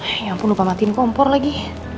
eh ya ampun lupa matiin kompor lagi